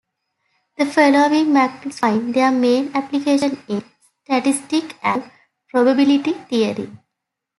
The following matrices find their main application in statistics and probability theory.